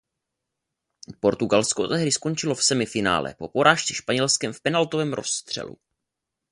Portugalsko tehdy skončilo v semifinále po porážce Španělskem v penaltovém rozstřelu.